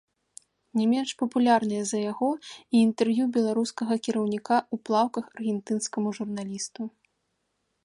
Не менш папулярнае за яго і інтэрв'ю беларускага кіраўніка ў плаўках аргентынскаму журналісту.